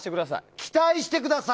期待してください。